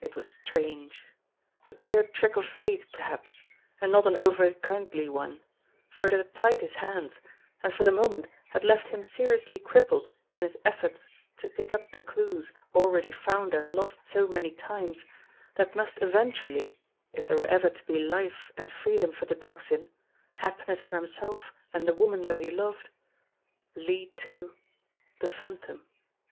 It was strange ! A queer trick of fate, perhaps ; and not an over kindly one, for it had tied his hands, and for the moment had left him seriously crippled in his efforts to pick up the clues, already found and lost so many times, that must eventually, if there were ever to be life and free dom for the Tocsin, happiness for himself and the woman that he loved, lead to the Phantom.